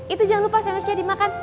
itu jangan lupa seharusnya dimakan